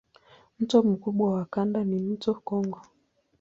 Mto mkubwa wa kanda ni mto Kongo.